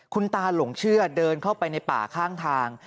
คุณตาหลงเชื่อเดินเข้าไปในป่าข้างทาง